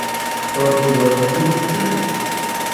Terzo è Whitfield.